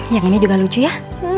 yang ini juga lucu ya